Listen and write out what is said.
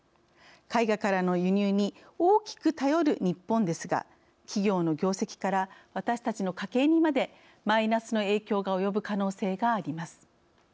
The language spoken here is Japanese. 海外からの輸入に大きく頼る日本ですが企業の業績から私たちの家計にまでマイナスの影響が及ぶ可能性があります。